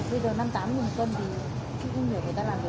bây giờ năm tám nghìn một cân thì không hiểu người ta làm gì